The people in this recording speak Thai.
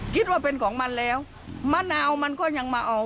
คิดว่าเป็นของมันแล้วมะนาวมันก็ยังมาเอา